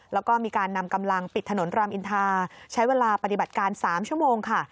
แล้วก็มีการนำกำลังปิดถนนรามอินทาใช้เวลาปฏิบัติการ๓ชั่วโมงค่ะ